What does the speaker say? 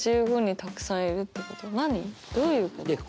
どういうこと？